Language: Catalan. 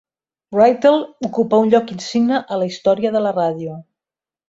Writtle ocupa un lloc insigne a la història de la ràdio.